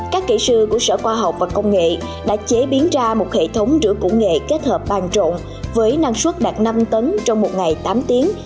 các kỹ sư của sở khoa học và công nghệ đã chế biến ra một hệ thống rửa củ nghệ kết hợp bàn trộn với năng suất đạt năm tấn trong một ngày tám tiếng